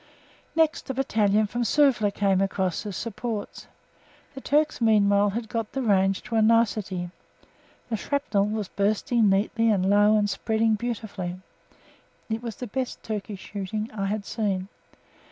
Next, a battalion from Suvla came across as supports. The Turks meanwhile had got the range to a nicety; the shrapnel was bursting neatly and low and spreading beautifully it was the best Turkish shooting I had seen.